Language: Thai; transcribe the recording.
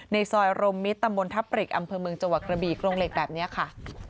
ในซอยรมมิตรตำบลทับปริกอำเภอเมืองจังหวัดกระบีกรงเหล็กแบบนี้ค่ะ